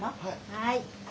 はい。